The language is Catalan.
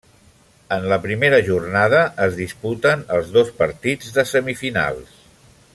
En la primera jornada es disputen els dos partits de semifinals.